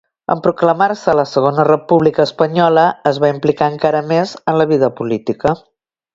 En proclamar-se la Segona República Espanyola es va implicar encara més en la vida política.